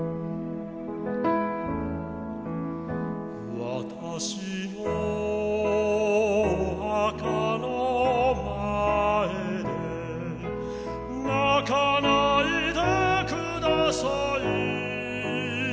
私のお墓の前で泣かないでください